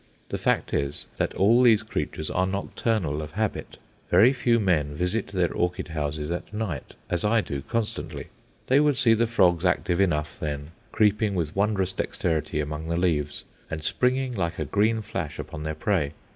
The fact is, that all these creatures are nocturnal of habit. Very few men visit their orchid houses at night, as I do constantly. They would see the frogs active enough then, creeping with wondrous dexterity among the leaves, and springing like a green flash upon their prey.